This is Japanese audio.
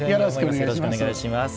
よろしくお願いします。